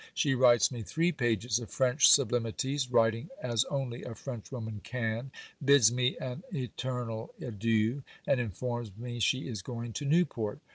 She writes me three pages of French sublimities, writing as only a French woman can, bids me an eternal adieu, and informs me she is going to Newport.